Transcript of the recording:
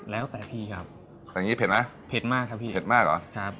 แล้วแต่พี่ครับแต่อย่างงี้เผ็ดไหมเผ็ดมากครับพี่เผ็ดมากเหรอครับ